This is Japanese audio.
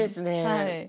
はい。